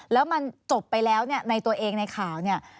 แล้วมันจบไปแล้วเนี่ยในตัวเองในข่าวเนี่ย